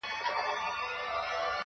• او خپل څادر يې تر خپل څنگ هوار کړ.